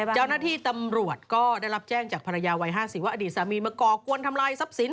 เจ้าหน้าที่ตำรวจก็ได้รับแจ้งจากภรรยาวัย๕๐ว่าอดีตสามีมาก่อกวนทำลายทรัพย์สิน